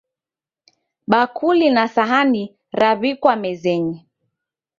Bakuli na sahani raw'ikwa mezenyi